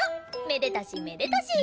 めでたしめでたし！